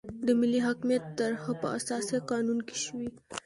د ملي حاکمیت طرحه په اساسي قانون کې شوې.